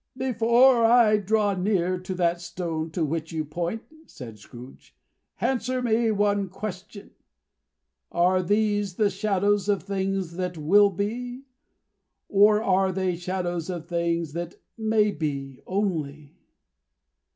"Before I draw nearer to that stone to which you point," said Scrooge, "answer me one question. Are these the shadows of the things that will be, or are they shadows of the things that may be, only?"